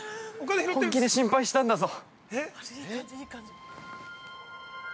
本気で心配したんだぞ！